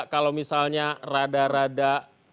kalau misalnya rada rada